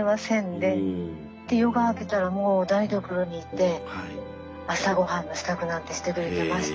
でで夜が明けたらもうお台所にいて朝ごはんの支度なんてしてくれてました。